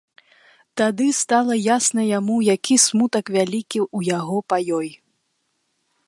Тады стала ясна яму, які смутак вялікі ў яго па ёй.